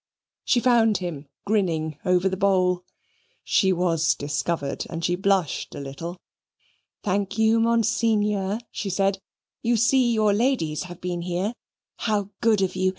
She found him grinning over the bowl. She was discovered, and she blushed a little. "Thank you, Monseigneur," she said. "You see your ladies have been here. How good of you!